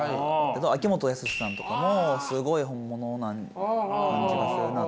秋元康さんとかもすごい本物な感じがするなとか。